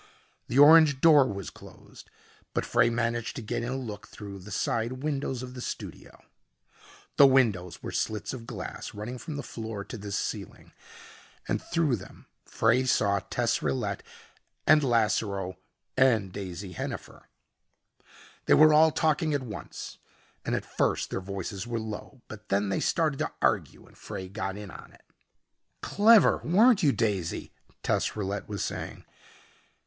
The orange door was closed but Frey managed to get in a look through the side windows of the studio. The windows were slits of glass running from the floor to the ceiling, and through them Frey saw Tess Rillette and Lasseroe and Daisy Hennifer. They were all talking at once and at first their voices were low but then they started to argue and Frey got in on it. "Clever, weren't you, Daisy?" Tess Rillette was saying.